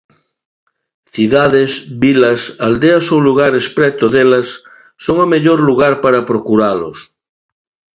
Cidades, vilas, aldeas ou lugares preto delas, son o mellor lugar para procuralos.